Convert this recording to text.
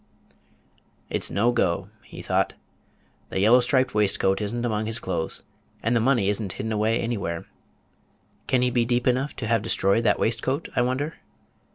"It's no go." he thought. "The yellow striped waistcoat is n't among his clothes, and the money is n't hidden away anywhere. Can he be deep enough to have destroyed that waistcoat, I wonder?